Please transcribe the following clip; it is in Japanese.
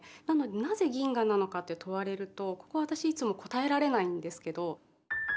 なのでなぜ銀河なのかって問われるとここは私いつも答えられないんですけど。